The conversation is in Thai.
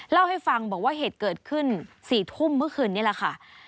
เล่าให้ฟังบอกว่าเหตุเกิดขึ้น๔ทุ่มเมื่อคืนนี้แหละค่ะ